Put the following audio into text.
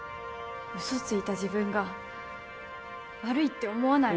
嘘ついた自分が悪いって思わないの？